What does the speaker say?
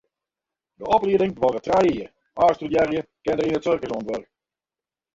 De oplieding duorret trije jier, ôfstudearren kinne yn it sirkus oan it wurk.